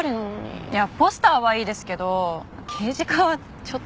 いやポスターはいいですけど刑事課はちょっと。